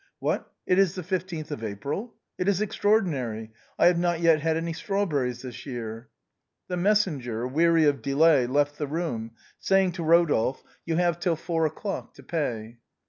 What, it is the 15th of April? It is extraordinary, I have not yet had any strawberries this year." The messenger, weary of delay, left the room, saying to Rodolphe, " You have till four o'clock to pay."